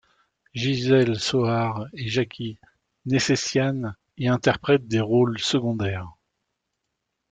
Gyselle Soares et Jacky Nercessian y interprètent des rôles secondaires.